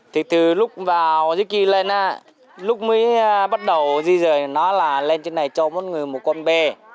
thì từ lúc vào dưới kia lên á lúc mới bắt đầu di dời nói là lên trên này cho một người một con bê